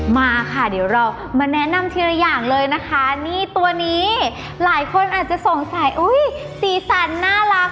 มาค่ะเดี๋ยวเรามาแนะนำทีละอย่างเลยนะคะนี่ตัวนี้หลายคนอาจจะสงสัยอุ้ยสีสันน่ารัก